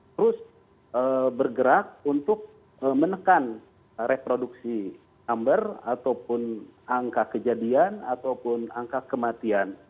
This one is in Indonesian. terus bergerak untuk menekan reproduksi number ataupun angka kejadian ataupun angka kematian